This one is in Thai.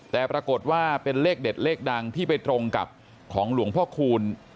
แต่ปรากฏว่าเป็นเลขเด็ดเลขดังที่ไปตรงกับของหลวงพ่อคูณ